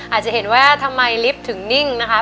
อาจจะเห็นว่าทำไมลิฟต์ถึงนิ่งนะคะ